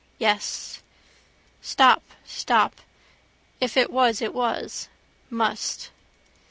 Yes. Stop. Stop. If it was it was. Must.